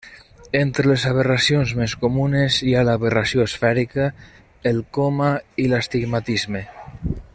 Entre les aberracions més comunes hi ha l'aberració esfèrica, el coma i l'astigmatisme.